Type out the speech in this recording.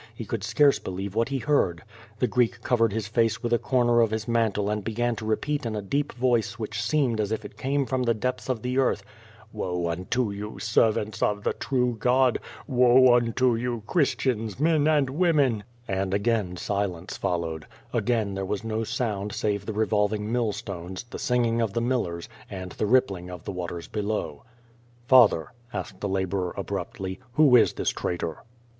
He could scarce believe what he heard. The Greek covered his face with a corner of his mantle and began to repeat in a deep voice, which seemed as if it came from the depths of the earth: "Woe unto you, servants of the true God. Woe unto yon, Christians, men and women!" And again silence followed. Again there was no sound save the revolving mill stones, the singing of the millers, and the rippling of the waters below. "Father," asked the laborer abruptly, "who is this trai tor?"